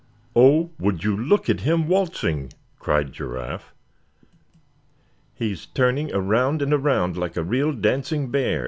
"Oh! would you look at him waltzing!" cried Giraffe. "He's turning around and around, like a real dancing bear!"